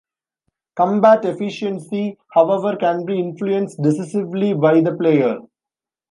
Combat efficiency, however, can be influenced decisively by the player.